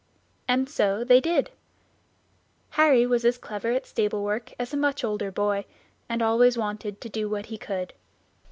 And so they did; Harry was as clever at stable work as a much older boy, and always wanted to do what he could.